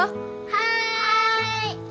はい！